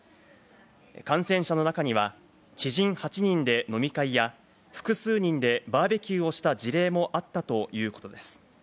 感染者の中には知人８人で飲み会や、複数人でバーベキューをした事例もあったということです。